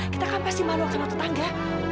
kita kapas sih malu sama tetangga